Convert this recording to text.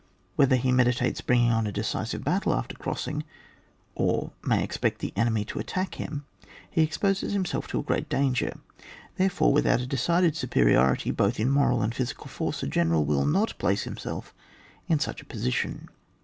Whether he meditates bringing on a decisive battle after cros sing, or may expect the enemy to attack him, he exposes himself to great danger ; therefore, without a decided superiority, both in moral and physical force, a general will not place himself in such a position.